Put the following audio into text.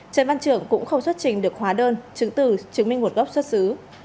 trần văn trưởng cũng không xuất trình được hóa đơn chứng từ chứng minh nguồn gốc xuất xứ